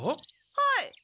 はい。